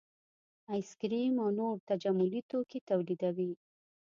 ایس کریم او نور تجملي توکي تولیدوي